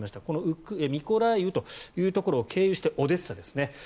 このミコライウというところを経由してオデッサですね。